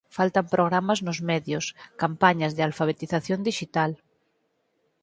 Faltan programas nos medios, campañas de alfabetización dixital.